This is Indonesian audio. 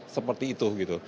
seperti itu gitu